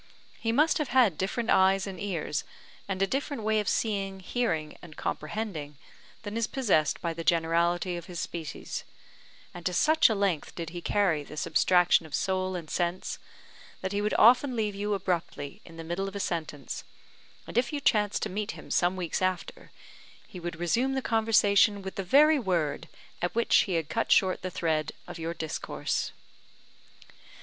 He must have had different eyes and ears, and a different way of seeing, hearing, and comprehending, than is possessed by the generality of his species; and to such a length did he carry this abstraction of soul and sense, that he would often leave you abruptly in the middle of a sentence; and if you chanced to meet him some weeks after, he would resume the conversation with the very word at which he had cut short the thread of your discourse.